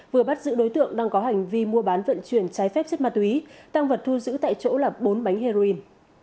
vừa bắt giữ đối tượng đang có hành vi mua bán vận chuyển trái phép chất ma túy tăng vật thu giữ tại chỗ là bốn bánh heroin